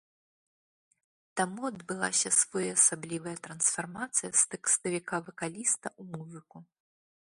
Таму адбылася своеасаблівая трансфармацыя з тэкставіка-вакаліста ў музыку.